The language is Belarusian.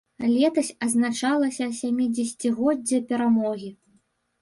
Летась адзначалася сямідзесяцігоддзе перамогі.